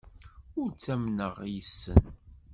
Ur ttamneɣ yes-sen.